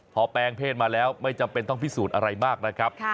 พอแปลงเพศมาแล้วไม่จำเป็นต้องพิสูจน์อะไรมากนะครับ